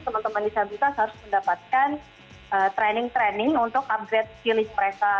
teman teman disabilitas harus mendapatkan training training untuk upgrade feeling mereka